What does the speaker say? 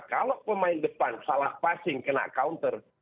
kalau pemain depan salah passing kena counter